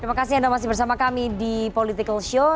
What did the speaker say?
terima kasih anda masih bersama kami di political show